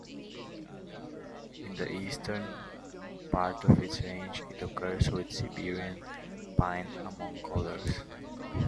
In the eastern part of its range, it occurs with Siberian pine, among others.